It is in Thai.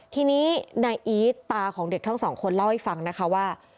ทีนี้นายอีทตาของเด็กทั้งสองคนเล่าให้ฟังนะคะว่า